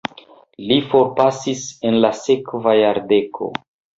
Li forpasis en la sekva jardeko.